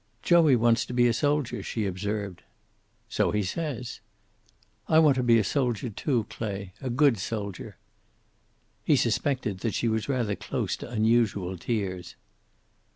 "Joey wants to be a soldier," she observed. "So he says." "I want to be a soldier, too, Clay. A good soldier." He suspected that she was rather close to unusual tears.